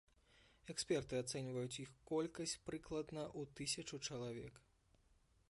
Эксперты ацэньваюць іх колькасць прыкладна ў тысячу чалавек.